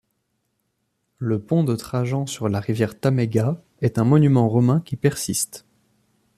Le pont de Trajan sur la rivière Tamega est un monument romain qui persiste.